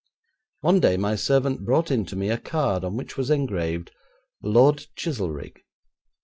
One day my servant brought in to me a card on which was engraved 'Lord Chizelrigg.'